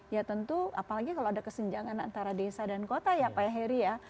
ya tentu apalagi kalau ada kesenjangan antara desa dan kota ya pak heri ya